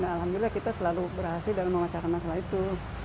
alhamdulillah kita selalu berhasil dalam memecahkan masalah itu